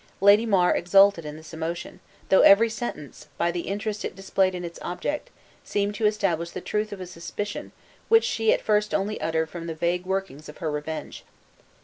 Lady Mar exulted in this emotion, though every sentence, by the interest it displayed in its object, seemed to establish the truth of a suspicion which she at first only uttered from the vague workings of her revenge.